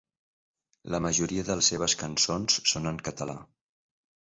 La majoria de les seves cançons són en català.